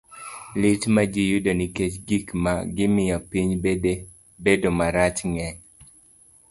Lit ma ji yudo nikech gik ma gimiyo piny bedo marach ng'eny.